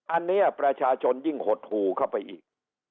อันนี้ประชาชนยิ่งหดหูเข้าไปอีก